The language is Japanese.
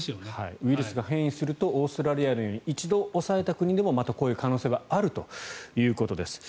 ウイルスが変異するとオーストラリアのように一度抑えた国でも、また可能性があるということです。